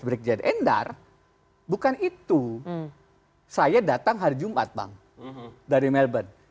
berjaya endar bukan itu saya datang hari jumat bang dari melbourne itu dapat apa